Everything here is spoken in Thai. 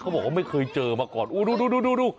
บอกว่าไม่เคยเจอมาก่อนดูดู